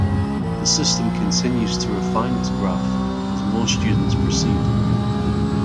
The system continues to refine its graph as more students proceed.